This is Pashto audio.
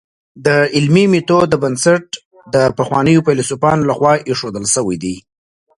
د علمي ميتود بنسټ د پخوانیو فيلسوفانو لخوا ايښودل سوی دی.